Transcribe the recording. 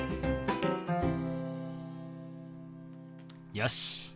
よし。